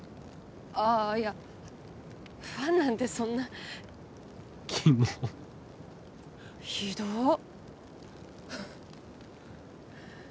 ああいやファンなんてそんなキモっひどっ